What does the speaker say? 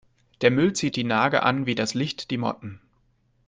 Der Müll zieht die Nager an wie das Licht die Motten.